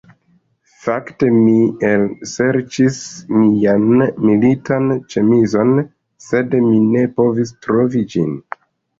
Fakte, mi elserĉis mian militan ĉemizon sed mi ne povis trovi ĝin